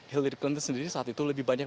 hillary planet sendiri saat itu lebih banyak